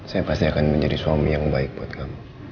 saya pasti akan menjadi suami yang baik buat kamu